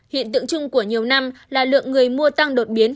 hiện tượng chung của nhiều năm là lượng người mua tăng đột biến